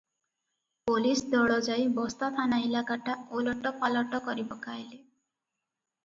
Police ଦଳ ଯାଇ ବସ୍ତାଥାନା ଇଲାକାଟା ଓଲଟ ପାଲଟ କରିପକାଇଲେ ।